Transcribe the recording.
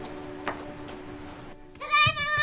ただいま！